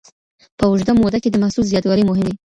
په اوږده موده کي د محصول زیاتوالی مهم دی.